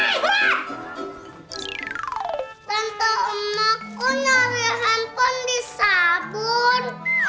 tante emakku nyari handphone di sabun